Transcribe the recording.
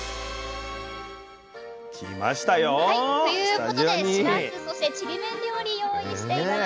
はいということでしらすそしてちりめん料理用意しています。